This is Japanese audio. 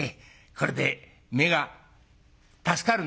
これで目が助かるんだ」。